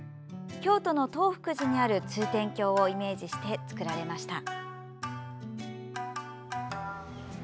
京都の東福寺にある通天橋をイメージして造られました。